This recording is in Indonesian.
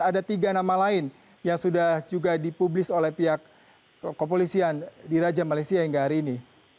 ada tiga nama lain yang sudah juga dipublis oleh pihak kepolisian di raja malaysia hingga hari ini